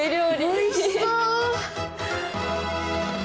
おいしそう！